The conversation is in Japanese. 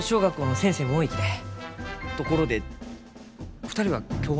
ところで２人は今日は？